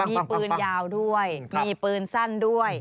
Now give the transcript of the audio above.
มีปืนยาวด้วยมีปืนสั้นด้วย